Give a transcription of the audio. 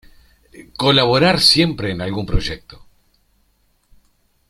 Colaborar siempre en algún proyecto.